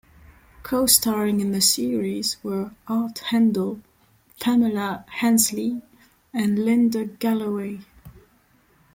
Co-starring in the series were Art Hindle, Pamela Hensley, and Linda Galloway.